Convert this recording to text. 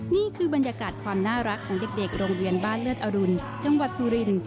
นี่คือบรรยากาศความน่ารักของเด็กโรงเรียนบ้านเลิศอรุณจังหวัดสุริน